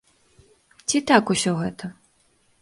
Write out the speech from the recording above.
Ці так усё гэта?